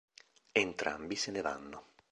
Entrambi se ne vanno.